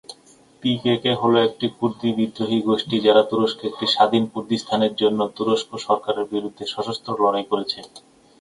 পিকেকে হলো, একটি কুর্দি বিদ্রোহী গোষ্ঠী যারা তুরস্কে একটি স্বাধীন কুর্দিস্তানের জন্য তুরস্ক সরকারের বিরুদ্ধে সশস্ত্র লড়াই করছে।